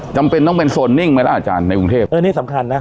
จำเป็นต้องเป็นโซนนิ่งไหมล่ะอาจารย์ในกรุงเทพอันนี้สำคัญนะ